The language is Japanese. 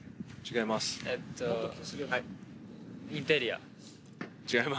はい。